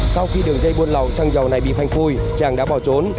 sau khi đường dây buôn lậu xăng dầu này bị phanh phui trang đã bỏ trốn